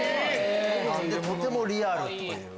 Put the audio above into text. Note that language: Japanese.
とてもリアルという。